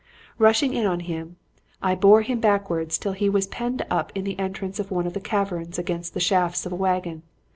Rushing in on him, I bore him backwards until he was penned up in the entrance of one of the caverns against the shafts of a wagon.